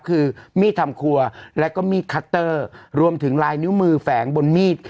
คือมีดทำครัวแล้วก็มีดคัตเตอร์รวมถึงลายนิ้วมือแฝงบนมีด